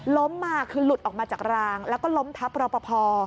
ล้มมาคือหลุดออกมาจากรางแล้วก็ล้มทับรอปภ